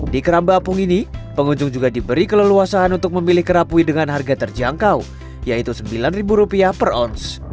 di keramba apung ini pengunjung juga diberi keleluasan untuk memilih kerapui dengan harga terjangkau yaitu rp sembilan per ons